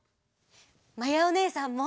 まやおねえさんも！